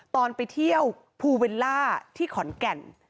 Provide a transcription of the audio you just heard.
ตอนไปเที่ยวภูเวลล่าที่ขอนแก่น